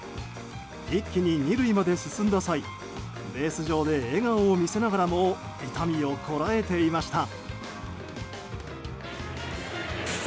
一気に２塁まで進んだ際ベース上で笑顔を見せながらも痛みをこらえていました。